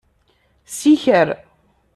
Siker.